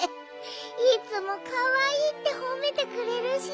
いつもかわいいってほめてくれるし。